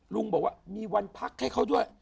ลุงบอกว่ามีวันพักให้เขาด้วย